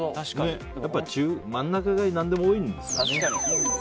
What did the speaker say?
やっぱり真ん中が何でも多いんですかね。